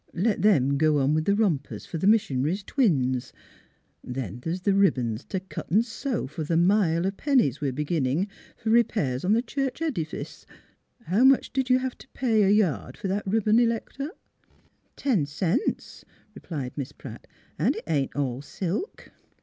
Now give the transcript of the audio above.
Let them go on with the rompers for the missionary's twins. Then there's the ribbons t' cut an' sew for th' mile of pennies we're b'ginnin' for r 'pairs on the church edifice. How much did you have t' pay a yard for that ribbon, Electa? "^' Ten cents," replied Miss Pratt. " An' it ain't all silk."